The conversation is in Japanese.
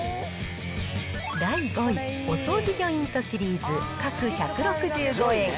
第５位、おそうじジョイントシリーズ各１６５円。